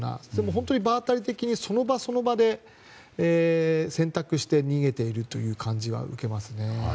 本当に場当たり的にその場その場で選択して逃げているという感じを受けますね。